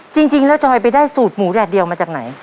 จริงแล้วจอยไปได้สูตรหมูแดดเดียวมาจากไหน